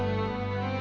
siva akan baik baik saja